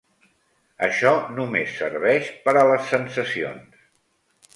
Això només serveix per a les sensacions.